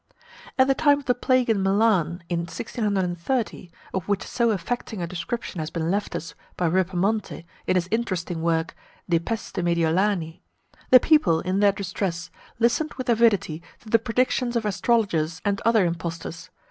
At the time of the plague in Milan, in 1630, of which so affecting a description has been left us by Ripamonte, in his interesting work, De Peste Mediolani, the people, in their distress, listened with avidity to the predictions of astrologers and other impostors.